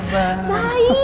baik mas juna